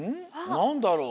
なんだろう？